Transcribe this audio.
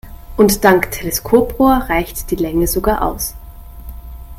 Und dank Teleskoprohr reicht die Länge sogar aus.